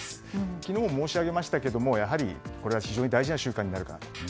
昨日申し上げましたがこれは非常に大事な習慣になるかなと。